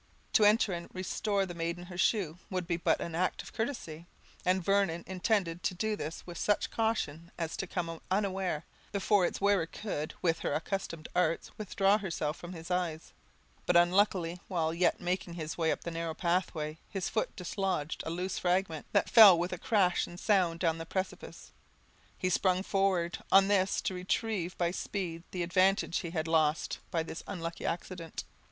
To enter and restore the maiden her shoe, would be but an act of courtesy; and Vernon intended to do this with such caution, as to come unaware, before its wearer could, with her accustomed arts, withdraw herself from his eyes; but, unluckily, while yet making his way up the narrow pathway, his foot dislodged a loose fragment, that fell with crash and sound down the precipice. He sprung forward, on this, to retrieve by speed the advantage he had lost by this unlucky accident.